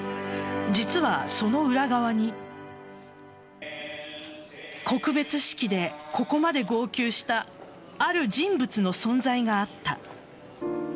実はその裏側に告別式でここまで号泣したある人物の存在があった。